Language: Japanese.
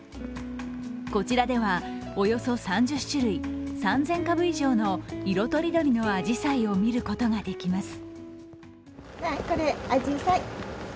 こちらでは、およそ３０種類・３０００株以上の色とりどりのあじさいを見ることができます。